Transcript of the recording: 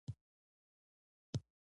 ګورنر جنرال ته رپوټ ورکړه شو.